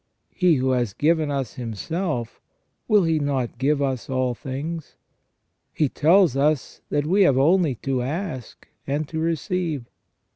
He who has given us Himself, will He not give us all things ? He tells us, that we have only to ask and to receive.